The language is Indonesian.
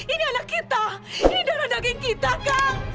ini anak kita ini darah daging kita kang